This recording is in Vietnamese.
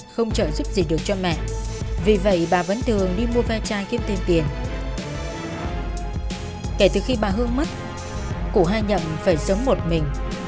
khi bà hương mất cụ hai nhậm phải sống một mình